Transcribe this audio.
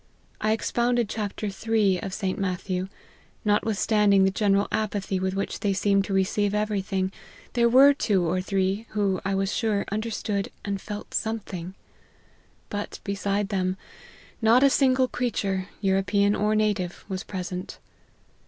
I expounded chapter iii. of St. Matthew. Notwithstanding the general apathy with which v they seemed to receive every thing, there were two or three who, I was sure, understood and felt something. But, beside the women, not a single creature, European or native, was present.